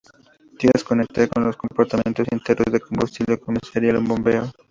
Tras conectar con los compartimentos internos de combustible, comenzaría el bombeo.